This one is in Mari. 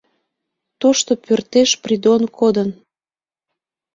Тошто пӧртеш Придон кодын.